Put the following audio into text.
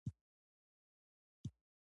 دوی د لوبو وسایل نړۍ ته صادروي.